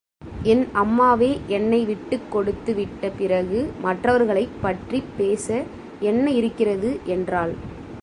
என் அம்மாவே என்னை விட்டுக் கொடுத்து விட்ட பிறகு மற்றவர்களைப் பற்றிப் பேச என்ன இருக்கிறது? என்றாள்.